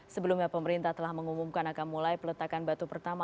sebelumnya pemerintah telah mengumumkan akan mulai peletakan batu pertama